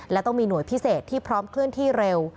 และต้องมีหน่วยพิเศษที่พร้อมเคลื่อนที่เร็ว